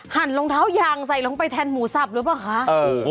หั่นรองเท้ายางใส่ลงไปแทนหมูสับหรือเปล่าคะ